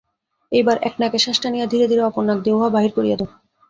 এইবার এক নাকে শ্বাস টানিয়া ধীরে ধীরে অপর নাক দিয়া উহা বাহির করিয়া দাও।